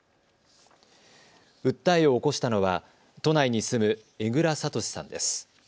訴えを起こしたのは都内に住む江藏智さんです。